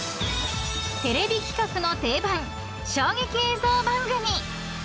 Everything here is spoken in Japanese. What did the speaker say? ［テレビ企画の定番衝撃映像番組］